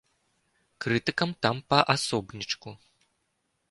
Крытыкам там па асобнічку.